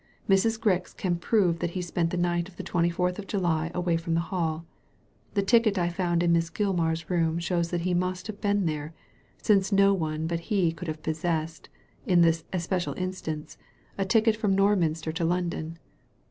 Mrs. Grix can prove that he spent the night of the twenty fourth of July away from the HalL The ticket I found in Miss Gilmar's room shows that he must have been there, since no one but he could have possessed, in this especial instance, a ticket from Norminstcr to 93a Digitized by Google THE CONVICTS DEFENCE 233 London.